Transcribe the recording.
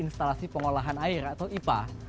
instalasi pengolahan air atau ipa